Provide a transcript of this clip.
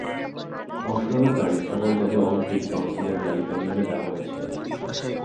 অংশগ্রহণকারী সকল জাতীয় অলিম্পিক কাউন্সিলের তালিকা নিম্নে দেয়া হয়েছে।